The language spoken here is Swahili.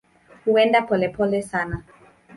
Huenda polepole sana.